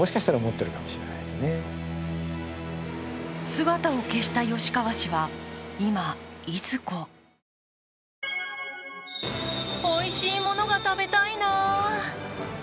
姿を消した吉川氏は今いずこおいしいものが食べたいな。